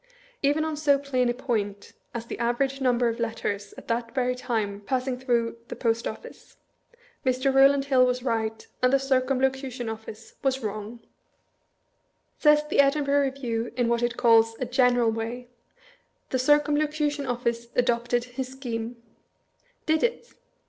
Even on so plain a point as the average number of letters at that very time passing through the Post Office, Mr. Eowland Hill was right, and the Circumlocution Office was wrong. Says the Edinhirgh Review, in what it calls a " general " way, " The Circumlocution Office adopted his scheme." Did it?